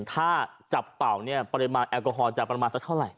ถ้าจับเป่าเนี่ยปริมาณแอลกอฮอลจะประมาณสักเท่าไหร